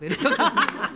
ハハハハ。